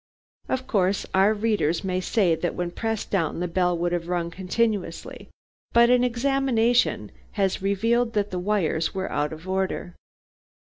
Of course our readers may say that when pressed down the bell would have rung continuously, but an examination has revealed that the wires were out of order.